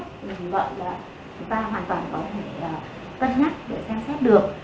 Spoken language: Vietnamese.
thì chúng ta hoàn toàn có thể cân nhắc để xem xét được